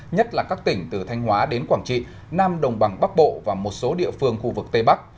nhất là các tỉnh từ thanh hóa đến quảng trị nam đồng bằng bắc bộ và một số địa phương khu vực tây bắc